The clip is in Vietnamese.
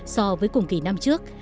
so với cùng kỳ năm trước